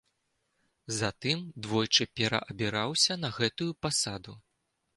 Затым двойчы пераабіраўся на гэтую пасаду.